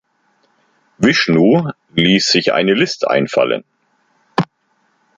Vishnu ließ sich eine List einfallen.